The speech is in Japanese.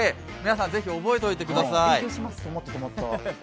皆さん、是非覚えておいてください。